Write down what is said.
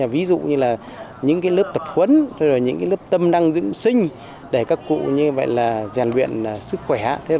ví dụ như là những lớp tập huấn những lớp tâm năng dưỡng sinh để các cụ giàn luyện sức khỏe